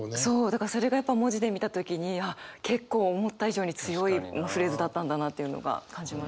だからそれがやっぱ文字で見た時にあっ結構思った以上に強いフレーズだったんだなっていうのが感じました。